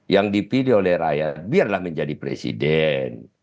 yang dipilih oleh rakyat biarlah menjadi presiden